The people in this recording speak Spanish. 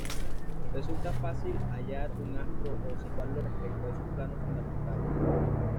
Resulta fácil hallar un astro o situarlo respecto a esos planos fundamentales.